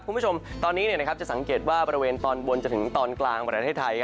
คุณผู้ชมตอนนี้จะสังเกตว่าบริเวณตอนบนจนถึงตอนกลางประเทศไทย